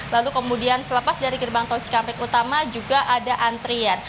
lalu kemudian selepas dari gerbang tol cikampek utama juga ada antrian